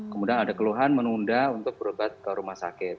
kemudian ada keluhan menunda untuk berobat ke rumah sakit